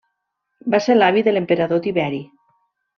Va ser l'avi de l'emperador Tiberi.